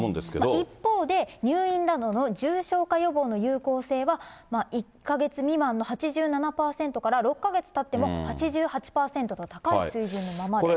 一方で、入院などの重症化予防の有効性は、１か月未満の８７％から、６か月たっても８８％と高い水準のままです。